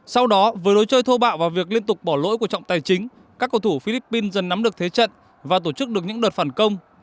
sau đó với lối chơi thô bạo và việc liên tục bỏ lỗi của trọng tài chính các cầu thủ philippines dần nắm được thế trận và tổ chức được những đợt phản công